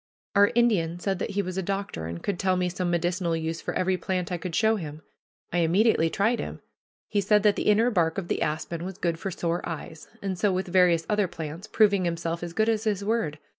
Our Indian said that he was a doctor, and could tell me some medicinal use for every plant I could show him. I immediately tried him. He said that the inner bark of the aspen was good for sore eyes; and so with various other plants, proving himself as good as his word.